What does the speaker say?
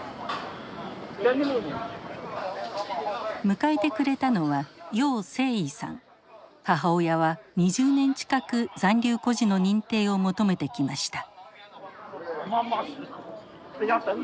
迎えてくれたのは母親は２０年近く残留孤児の認定を求めてきました。